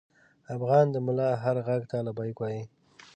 افغان د ملا هر غږ ته لبیک وايي.